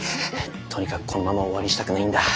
とにかくこのまま終わりにしたくないんだ。